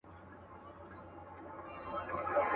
خو په ونه کي تر دوی دواړو کوچنی یم.